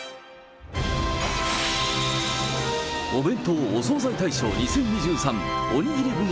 お弁当・お惣菜大賞２０２３、おにぎり部門